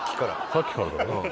さっきからだろ？